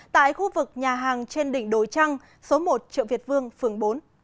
tại khu vực nhà hàng trên đỉnh đồi trăng số một triệu việt vương phường bốn